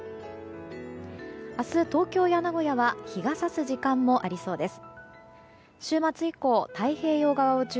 明日、東京や名古屋は日が差す時間もありそうです。